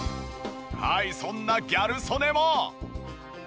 はいそんなギャル曽根も。